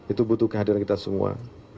itu butuh kehadiran kita semua